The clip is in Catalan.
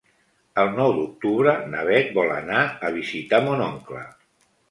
El nou d'octubre na Beth vol anar a visitar mon oncle.